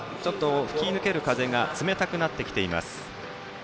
吹き抜ける風が冷たくなってきています。